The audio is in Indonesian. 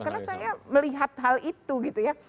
karena saya melihat hal itu gitu ya